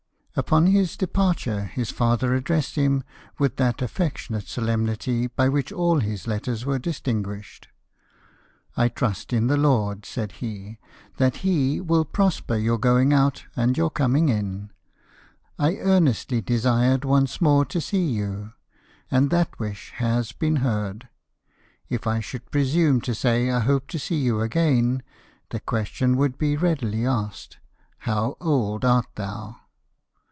Upon his departure his father addressed him with that affectionate solemnity by which all his letters were distinguished. " I trust in the Lord," said he, " that He will prosper your going out and your coming in. I earnestly desired once more to see you, and that wish has been heard. If I should presume to say I hope to see you agaiQ, the question would be readily asked. How old art thou